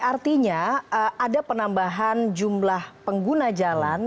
artinya ada penambahan jumlah pengguna jalan